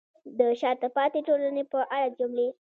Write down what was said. د شاته پاتې ټولنې په اړه جملې: